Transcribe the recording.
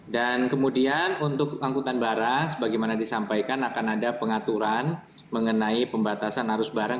dan kemudian untuk angkutan barang sebagaimana disampaikan akan ada pengaturan mengenai pembatasan arus barang